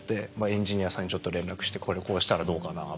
エンジニアさんにちょっと連絡して「これこうしたらどうかなあ」